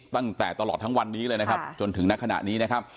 ตั้งแต่ตลอดทั้งวันนี้เลยนะครับจนถึงณขณะนี้นะครับ